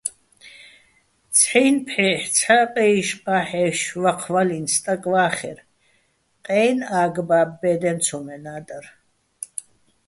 ცჰ̦აჲნი̆ ფჰ̦ეჰ̦ ცჰ̦ა ყე́იშ-ყა́ჰ̦ეშ ვაჴვაჲლნო̆ სტაკ ვა́ხერ, ყეჲნი̆ ა́გ-ბა́ბო̆ ბე́დეჼ ცომენა́ დარ.